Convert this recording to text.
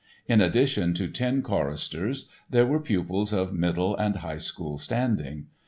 In addition to ten choristers there were pupils of middle and high school standing.